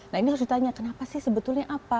nah ini harus ditanya kenapa sih sebetulnya apa